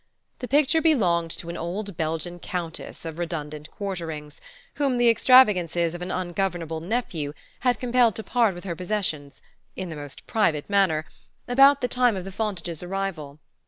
The picture belonged to an old Belgian Countess of redundant quarterings, whom the extravagances of an ungovernable nephew had compelled to part with her possessions (in the most private manner) about the time of the Fontages' arrival.